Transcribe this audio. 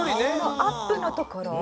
アップのところ？